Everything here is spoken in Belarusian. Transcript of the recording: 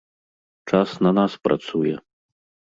Час на нас працуе.